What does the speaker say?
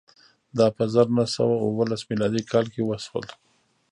دا په زر نه سوه اوولس میلادي کال کې وشول.